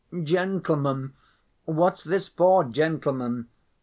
"Gentlemen! What's this for, gentlemen?"